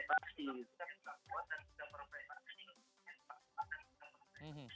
kita bisa kuat dan bisa berpetasi